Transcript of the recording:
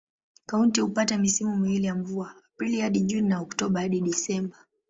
Kaunti hupata misimu miwili ya mvua: Aprili hadi Juni na Oktoba hadi Disemba.